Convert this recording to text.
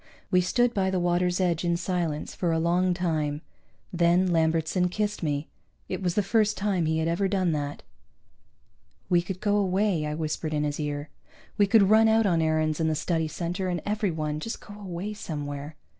We stood by the water's edge in silence for a long time. Then Lambertson kissed me. It was the first time he had ever done that. "We could go away," I whispered in his ear. "We could run out on Aarons and the Study Center and everyone, just go away somewhere."